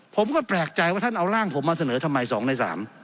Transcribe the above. ผมก็แปลกใจว่าท่านเอาร่างผมมาเสนอทำไม๒ใน๓